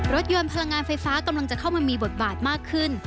รถยนต์พลังงานไฟฟ้ากำลังจะเข้ามามีบทบาทมากขึ้น